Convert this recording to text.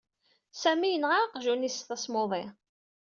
Sami yenɣa aqjun-is s tasmuḍi.